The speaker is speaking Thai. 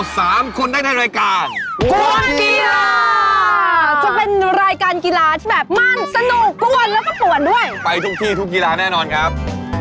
สวัสดีครับ